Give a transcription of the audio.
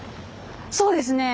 そうですね